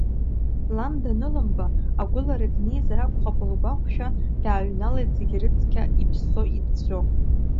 Лан данылымба, агәылара днеизар акәхап лгәахәшәа, дааҩналеит зегьы рыцқьа, иԥсо, иӡәӡәо.